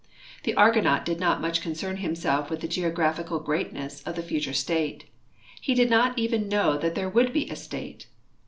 The Argonaut did not much concern himself wdth the geographical greatness of the future state. He did not even know that there would be a state.